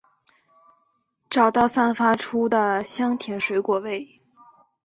找到散发出的香甜水果味！